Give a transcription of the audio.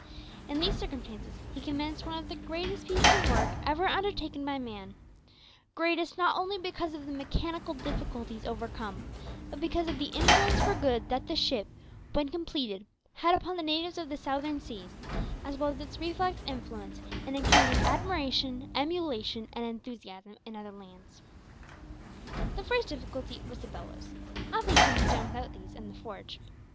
In these circumstances he commenced one of the greatest pieces of work ever undertaken by man greatest, not only because of the mechanical difficulties overcome, but because of the influence for good that the ship, when completed, had upon the natives of the Southern Seas, as well as its reflex influence in exciting admiration, emulation, and enthusiasm in other lands. The first difficulty was the bellows. Nothing could be done without these and the forge.